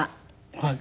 はい。